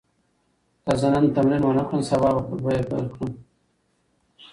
که زه نن تمرین ونه کړم، سبا به پیل کړم.